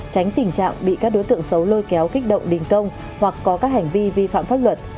tránh tình trạng bị các đối tượng xấu lôi kéo kích động đình công hoặc có các hành vi vi phạm pháp luật